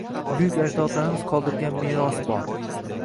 Buyuk ajdodlarimiz qoldirgan meros bor